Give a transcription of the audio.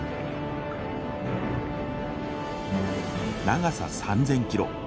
長さ３，０００キロ。